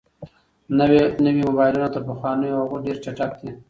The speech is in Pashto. نوي موبایلونه تر پخوانیو هغو ډېر چټک دي.